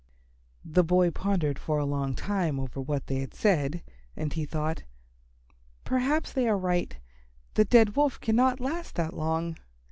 The boy pondered for a long time over what they had said, and he thought, "Perhaps they are right. The dead Wolf cannot last long.